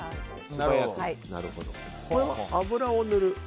酢を塗る？